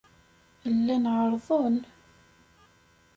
Llan ɛerrḍen.